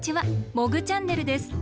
「モグチャンネル」です。